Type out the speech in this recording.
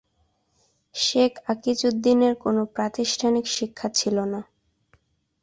শেখ আকিজউদ্দীনের কোনো প্রাতিষ্ঠানিক শিক্ষা ছিলনা।